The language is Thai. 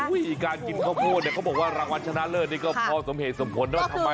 ทีนี้การกินคอเปอเนี่ยเขาบอกว่ารางวัลชนะเลิศนี่ก็ที่สมเหตุสมผล